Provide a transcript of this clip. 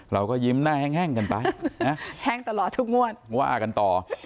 เราก็ยิ้มหน้าแห้งกันไปว่ากันต่อ